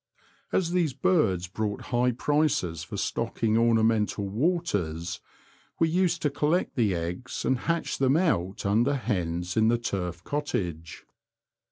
As these birds brought high prices for stocking ornamental waters, we used to collect the eggs and hatch them out under hens in the turf cottage.